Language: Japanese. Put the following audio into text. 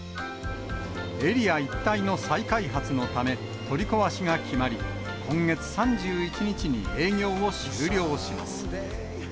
エリア一帯の再開発のため、取り壊しが決まり、今月３１日に営業を終了します。